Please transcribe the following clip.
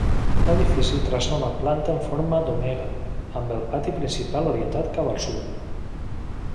L'edifici traça una planta en forma d'omega amb el pati principal orientat cap al sud.